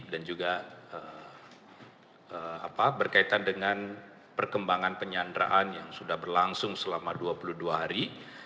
dan juga berkaitan dengan perkembangan penyanderaan yang sudah berlangsung selama dua puluh dua hari